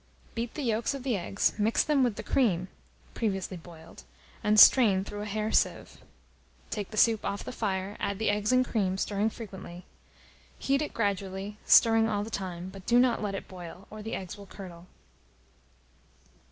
Beat the yolks of the eggs, mix them with the cream (previously boiled), and strain through a hair sieve; take the soup off the fire, add the eggs and cream, stirring frequently. Heat it gradually, stirring all the time; but do not let it boil, or the eggs will curdle.